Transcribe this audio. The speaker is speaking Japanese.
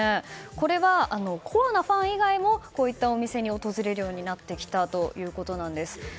これはコアなファン以外にもこういったお店に訪れるようになってきたということなんです。